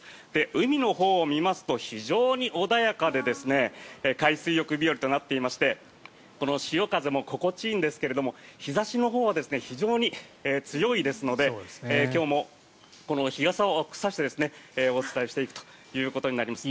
海のほうを見ますと非常に穏やかで海水浴日和となっていまして潮風も心地いいんですが日差しのほうは非常に強いですので今日も日傘を差してお伝えしていくということになります。